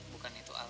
bukan itu al